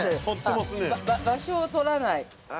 場所を取らない？